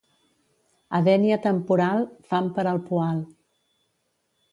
A Dénia temporal, fam per al poal.